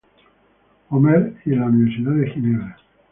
Omer y en la Universidad de Ginebra.